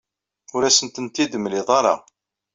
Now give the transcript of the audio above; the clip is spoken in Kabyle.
Ur asen-tent-id-temliḍ ara.